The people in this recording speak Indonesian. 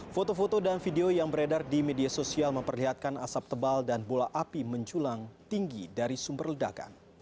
foto foto dan video yang beredar di media sosial memperlihatkan asap tebal dan bola api menculang tinggi dari sumber ledakan